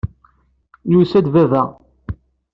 Yusa-d baba.